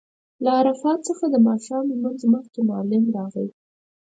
له عرفات څخه د ماښام لمونځ مخکې معلم راغی.